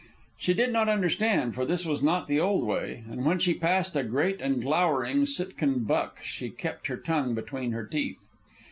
She did not understand, for this was not the old way, and when she passed a great and glowering Sitkan buck she kept her tongue between her teeth.